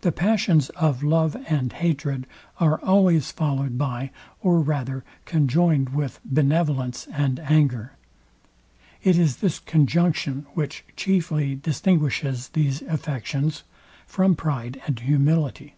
The passions of love and hatred are always followed by, or rather conjoined with benevolence and anger. It is this conjunction, which chiefly distinguishes these affections from pride and humility.